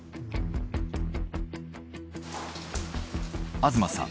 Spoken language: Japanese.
東さん